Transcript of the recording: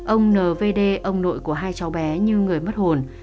ông n v d ông nội của hai cháu bé như người mất hồn